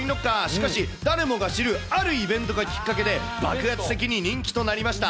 しかし、誰もが知るあるイベントがきっかけで、爆発的に人気となりました。